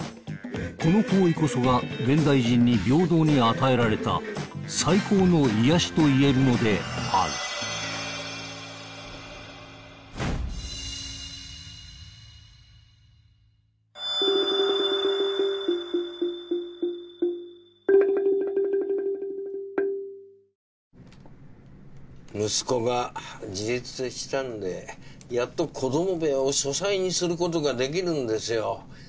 この行為こそが現代人に平等に与えられた最高の癒やしと言えるのである息子が自立したんでやっと子ども部屋を書斎にすることができるんですよ。